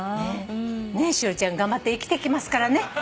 栞ちゃん頑張って生きていきますからね。